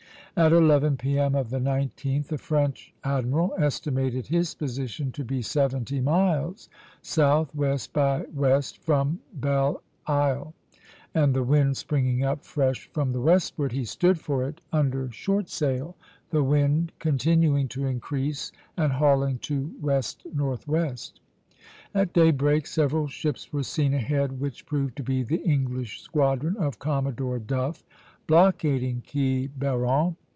At eleven P.M. of the 19th the French admiral estimated his position to be seventy miles southwest by west from Belle Isle; and the wind springing up fresh from the westward, he stood for it under short sail, the wind continuing to increase and hauling to west northwest. At daybreak several ships were seen ahead, which proved to be the English squadron of Commodore Duff, blockading Quiberon.